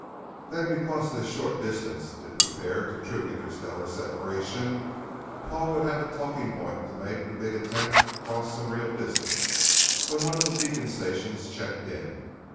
Then because this short distance did compare to true interstellar separation, Paul would have a talking point to make the big attempt across some real distance when one of the Beacon Stations checked in.